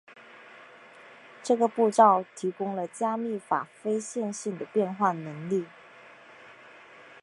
这个步骤提供了加密法非线性的变换能力。